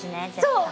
そう！